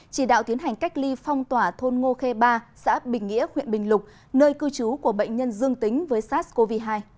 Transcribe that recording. chỉ đạo tiến hành cách ly phong tỏa thôn ngô khê ba xã bình nghĩa huyện bình lục nơi cư trú của bệnh nhân dương tính với sars cov hai